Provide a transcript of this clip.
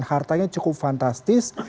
hartanya cukup fantastis